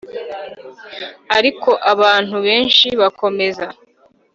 Ariko abantu benshi bakomeza